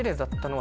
は